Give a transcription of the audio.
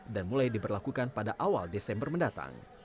dan mulai diberlakukan pada awal desember mendatang